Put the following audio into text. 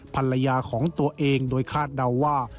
ภรรยาของตัวเองโดยคาดเดาว่า